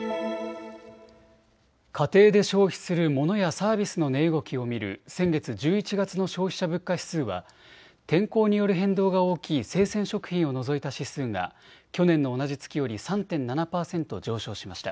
家庭で消費するモノやサービスの値動きを見る先月１１月の消費者物価指数は天候による変動が大きい生鮮食品を除いた指数が去年の同じ月より３．７％上昇しました。